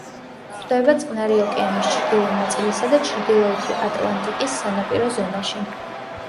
გვხვდება წყნარი ოკეანის ჩრდილო ნაწილისა და ჩრდილოეთი ატლანტიკის სანაპირო ზონაში.